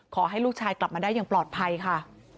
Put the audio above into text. ขอให้ลูกชายกลับมาได้อย่างปลอดภัยค่ะ